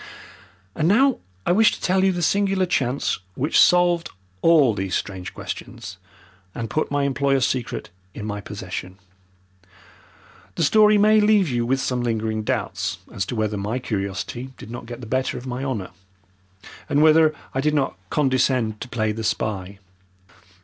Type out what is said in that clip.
And now I wish to tell you the singular chance which solved all these strange questions and put my employer's secret in my possession. The story may leave you with some lingering doubts as to whether my curiosity did not get the better of my honour, and whether I did not condescend to play the spy.